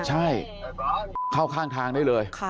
ใช่